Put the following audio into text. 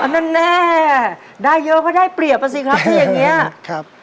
นั่นแน่ได้เยอะก็ได้เปรียบอ่ะสิครับ